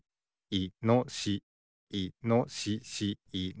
いのしし。